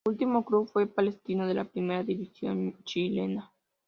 Su último club fue Palestino de la primera División chilena.